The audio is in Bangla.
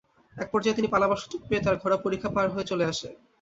এক পর্যায়ে তিনি পালাবার সুযোগ পেয়ে তার ঘোড়া পরিখা পার হয়ে চলে আসে।